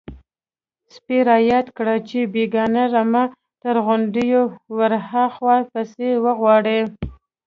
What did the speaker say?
_سپي را ياده کړه چې بېګانۍ رمه تر غونډيو ورهاخوا پسې وغواړئ.